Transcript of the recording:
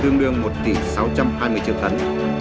tương đương một tỷ sáu trăm hai mươi triệu tấn